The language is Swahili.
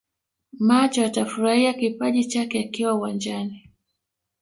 Macho yatafurahia kipaji chake akiwa uwanjani